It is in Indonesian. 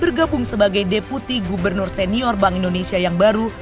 bergabung sebagai deputi gubernur senior bank indonesia yang baru